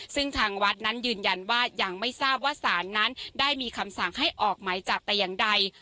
ซึ่งทางวัดนั้นยืนยันว่ายังไม่ทราบว่าศาลนั้นได้มีคำสั่งให้ออกหมายจับแต่อย่างใด